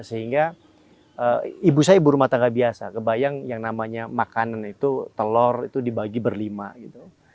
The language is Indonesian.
sehingga ibu saya ibu rumah tangga biasa kebayang yang namanya makanan itu telur itu dibagi berlima gitu